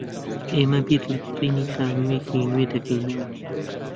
ئێمە بیر لە کڕینی خانوویەکی نوێ دەکەینەوە.